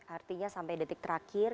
artinya sampai detik terakhir